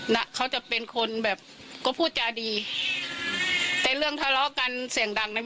น่ะเขาจะเป็นคนแบบก็พูดจาดีแต่เรื่องทะเลาะกันเสียงดังเนี่ย